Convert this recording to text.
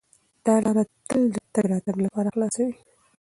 دا لاره تل د تګ راتګ لپاره خلاصه وي.